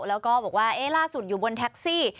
แล้วก็บอกว่าล่าสุดอยู่บนแท็กซี่